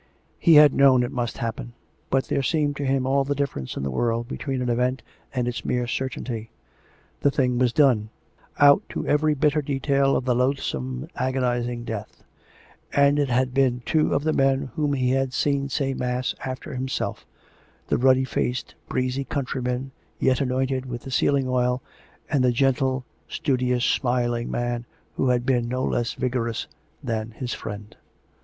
He had known it must happen; but there seemed to him all the difference in the world between an event and its mere certainty. ... The thing was done — out to every bitter detail of the loathsome, agonizing death — and it had been two of the men whom he had seen say mass after himself — the ruddy faced, breezy countryman, yet anointed with the sealing oil, and the gen tle, studious, smiling man who had been no less vigorous than his friend.